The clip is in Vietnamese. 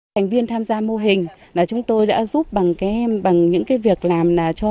thành viên tham gia mô hình là chúng tôi đã giúp bằng cái em bằng những cái việc làm cho